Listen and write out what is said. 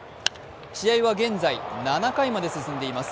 試合は、現在７回まで進んでいます。